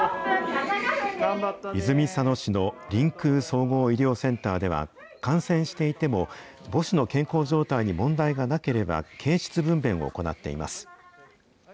泉佐野市のりんくう総合医療センターでは、感染していても、母子の健康状態に問題がなければ、経ちつ分べんを行っています。